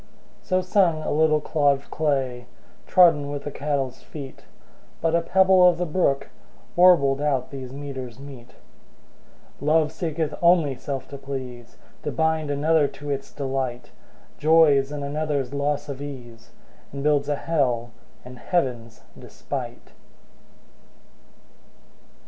'' So sung a little Clod of Clay Trodden with the cattle's feet, But a Pebble of the brook Warbled out these metres meet: ``Love seeketh only Self to please, To bind another to Its delight, Joys in another's loss of ease, And builds a Hell in Heaven's despite.''